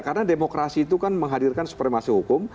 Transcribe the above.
karena demokrasi itu kan menghadirkan supremasi hukum